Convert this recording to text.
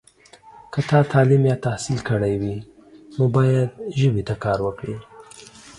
که تا تعلیم یا تحصیل کړی وي، نو باید ژبې ته کار وکړې.